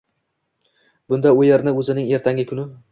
bunda u yerni o‘zining ertangi kuni